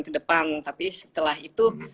ke depan tapi setelah itu